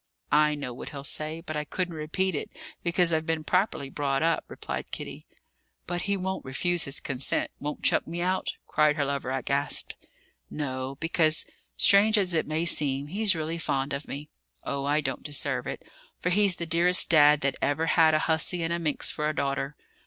"I know what he'll say, but I couldn't repeat it, because I've been properly brought up," replied Kitty. "But he won't refuse his consent, won't chuck me out?" cried her lover, aghast. "No; because, strange as it may seem, he's really fond of me. Oh, I don't deserve it; for he's the dearest dad that ever had a hussy and a minx for a daughter.